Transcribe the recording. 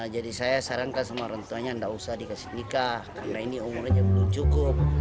jadi saya sarankan sama orang tuanya gak usah dikasih nikah karena ini umurnya belum cukup